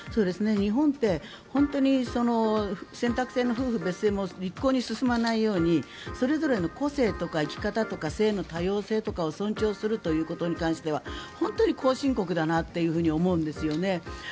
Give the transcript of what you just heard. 日本って選択制の夫婦別性も一向に進まないようにそれぞれの個性とか生き方とか性の多様性とかを尊重するということに関しては本当に後進国だなと思うんですよね。